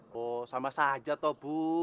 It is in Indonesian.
wah sama saja toh bu